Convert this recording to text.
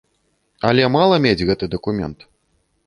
Але мала мець гэты дакумент.